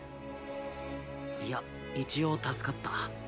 いや一応助かった。